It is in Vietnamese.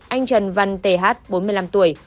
anh trần văn th bốn mươi năm tuổi